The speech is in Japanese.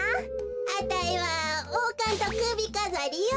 あたいはおうかんとくびかざりよべ。